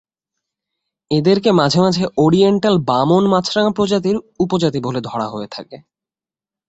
এদেরকে মাঝে মাঝে ওরিয়েন্টাল বামন মাছরাঙা প্রজাতির উপজাতি বলে ধরা হয়ে থাকে।